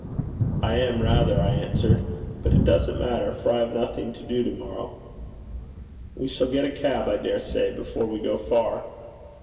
'I am, rather,' I answered. 'But it doesn't matter, for I have nothing to do to morrow.' 'We shall get a cab, I dare say, before we go far.'